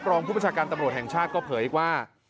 รองผู้ประชาการตำรวจแห่งชาติก็เผยอีกว่า